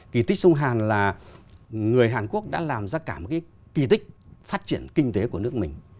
kỳ tích sông hàn là người hàn quốc đã làm ra cả một cái kỳ tích phát triển kinh tế của nước mình